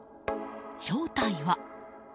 正体は。